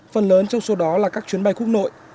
phần lớn trong số đó là các chuyến bay quốc nội